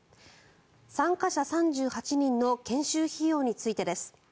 参加者３８人の研修費用についてです。